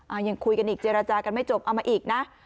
ยังคุยกันอีกเจรจากันไม่จบเอามาอีกนะ